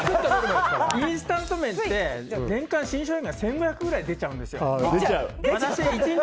インスタント麺って年間１５００ぐらい出ちゃうんですよ。